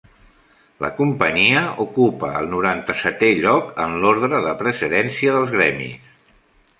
La Companyia ocupa el noranta-setè lloc en l'ordre de precedència dels Gremis.